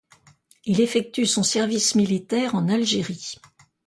Il effectue son service militaire en Algérie.